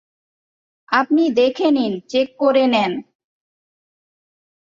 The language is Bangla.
আপনি দেখে নেন, চেক করে নেন।